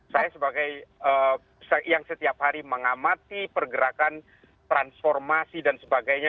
saya sebagai yang setiap hari mengamati pergerakan transformasi dan sebagainya